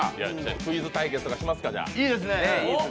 クイズ対決しますか。